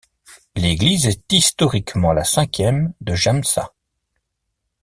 L'église est historiquement la cinquième de Jämsä.